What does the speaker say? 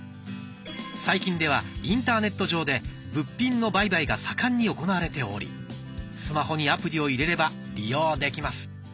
最近ではインターネット上で物品の売買が盛んに行われておりスマホにアプリを入れれば利用できます。